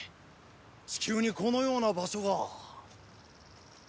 チキューにこのような場所が。